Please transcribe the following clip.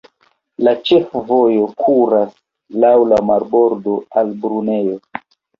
Ĉefvojo kuras laŭ la marbordo al Brunejo.